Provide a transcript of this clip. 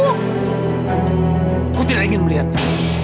aku tidak ingin melihatnya